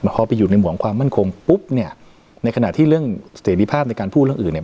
พอไปอยู่ในห่วงความมั่นคงปุ๊บเนี่ยในขณะที่เรื่องเสรีภาพในการพูดเรื่องอื่นเนี่ย